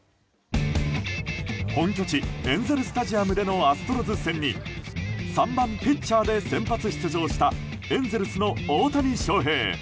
本拠地エンゼル・スタジアムでのアストロズ戦に３番ピッチャーで先発出場したエンゼルスの大谷翔平。